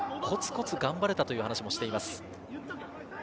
コツコツ頑張れたという話もしています。